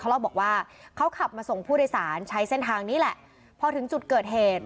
เล่าบอกว่าเขาขับมาส่งผู้โดยสารใช้เส้นทางนี้แหละพอถึงจุดเกิดเหตุ